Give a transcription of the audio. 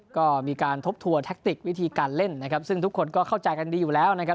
ก็มีการทบทวนแทคติกวิธีการเล่นนะครับซึ่งทุกคนก็เข้าใจกันดีอยู่แล้วนะครับ